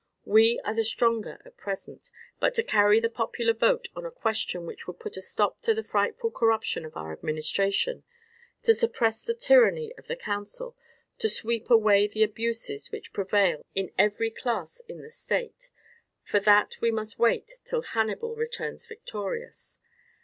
We are the stronger at present; but to carry the popular vote on a question which would put a stop to the frightful corruption of our administration, to suppress the tyranny of the council, to sweep away the abuses which prevail in every class in the state for that we must wait till Hannibal returns victorious.